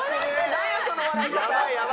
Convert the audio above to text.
なんやその笑い方。